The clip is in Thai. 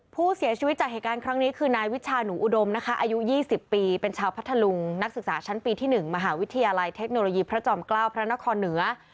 ผู้เสียชีวิตจากเหตุการณ์ครั้งนี้คือนายวิชาหนูอุดมนะคะอายุ๒๐ปีเป็นชาวพัทธลุงนักศึกษาชั้นปีที่๑มหาวิทยาลัยเทคโนโลยีพระจอมเกล้าพระนครเหนือ